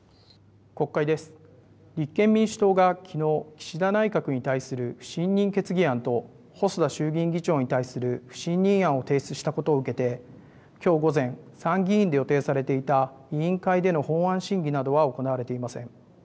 立憲民主党がきのう岸田内閣に対する不信任決議案と細田衆議院議長に対する不信任案を提出したことを受けてきょう午前、参議院で予定されていた委員会での法案審議などは行われていません。